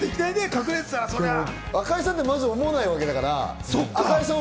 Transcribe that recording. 赤井さんってまず思わないわけだから。